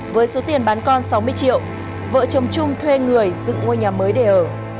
với số tiền bán con sáu mươi triệu vợ chồng trung thuê người dựng ngôi nhà mới để ở